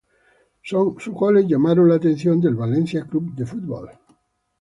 Sus goles llamaron la atención del Valencia Club de Fútbol.